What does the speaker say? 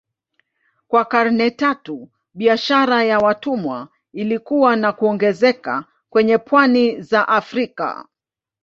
Kwa karne tatu biashara ya watumwa ilikua na kuongezeka kwenye pwani za Afrika.